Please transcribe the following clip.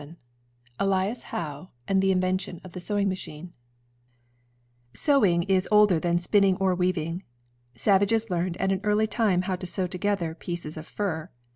VII ELIAS HOWE AND THE INVENTION OF THE SEWING MACHINE Sewing is older than spinning or weaving. Savages learned at an early time how to sew together pieces of fur.